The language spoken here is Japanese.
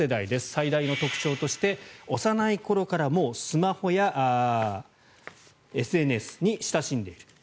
最大の特徴として幼い頃からもうスマホやＳＮＳに親しんでいる。